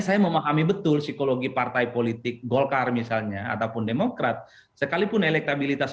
saya memahami betul psikologi partai politik golkar misalnya ataupun demokrat sekalipun elektabilitas